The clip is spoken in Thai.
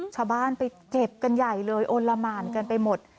ชาวบ้านไปเก็บกันใหญ่เลยโอนละหมานกันไปหมด